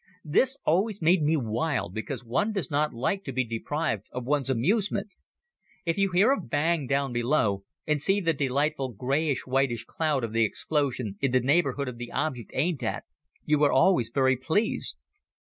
This always made me wild because one does not like to be deprived of one's amusement. If you hear a bang down below and see the delightful grayish whitish cloud of the explosion in the neighborhood of the object aimed at, you are always very pleased.